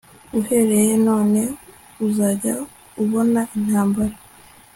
uhereye none uzajya ubona intambara